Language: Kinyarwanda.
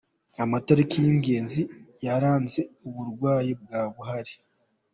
Amatariki y’ ‘ ingenzi yaranze uburwayi bwa Buhari.